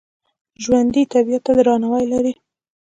ژوندي طبیعت ته درناوی لري